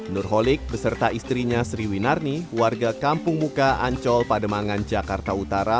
nurholik beserta istrinya sriwinarni warga kampung muka ancol pademangan jakarta utara